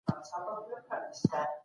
اردو د هیواد د سرحدونو ساتنه کوله.